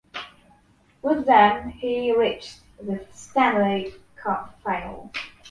With them he reached the Stanley Cup final.